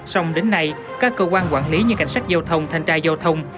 xong đến nay các cơ quan quản lý như cảnh sát giao thông thanh tra giao thông